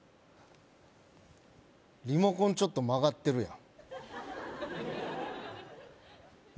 リモコンちょっと曲がってるやんいや